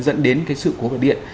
dẫn đến cái sự cố của điện